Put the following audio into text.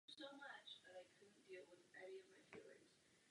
Brzy na to zemřel.